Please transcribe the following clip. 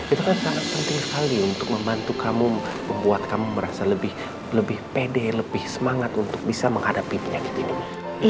itu kan sangat penting sekali untuk membantu kamu membuat kamu merasa lebih pede lebih semangat untuk bisa menghadapi penyakit ini